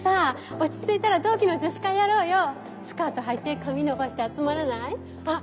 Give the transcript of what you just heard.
落ち着いたら同期のスカートはいて髪伸ばして集まらないあっ